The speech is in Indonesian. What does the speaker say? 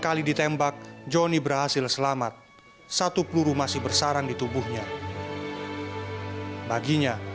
kali ditembak joni berhasil selamat satu peluru masih bersarang di tubuhnya baginya